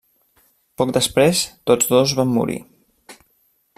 Poc després, tots dos van morir.